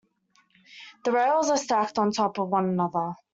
The rails are stacked on top of one another.